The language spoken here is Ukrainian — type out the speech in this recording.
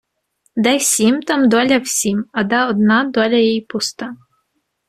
Де сім, там доля всім, а де одна, доля їй пуста.